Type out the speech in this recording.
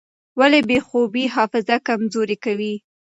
ولې بې خوبي حافظه کمزورې کوي؟